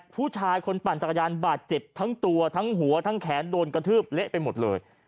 ผู้ชายคนปั่นจักรยานบาดเจ็บทั้งตัวทั้งหัวทั้งแขนโดนกระทืบเละไปหมดเลย